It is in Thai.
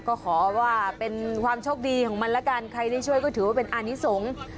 ก็ขอว่าเป็นความโชคดีของมันละกันใครได้ช่วยก็ถือว่าเป็นอานิสงฆ์